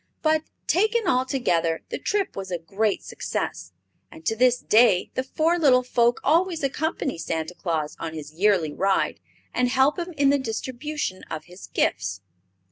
But, taken all together, the trip was a great success, and to this day the four little folk always accompany Santa Claus on his yearly ride and help him in the distribution of his gifts.